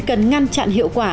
cần ngăn chặn hiệu quả